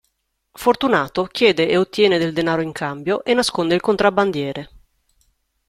Fortunato chiede e ottiene del denaro in cambio, e nasconde il contrabbandiere.